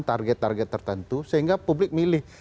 target target tertentu sehingga publik milih